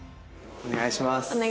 お願いします。